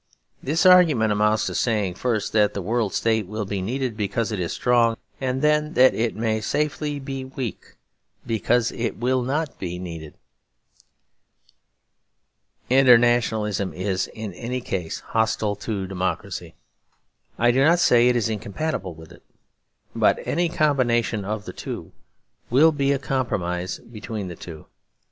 This argument amounts to saying, first that the World State will be needed because it is strong, and then that it may safely be weak because it will not be needed. Internationalism is in any case hostile to democracy. I do not say it is incompatible with it; but any combination of the two will be a compromise between the two.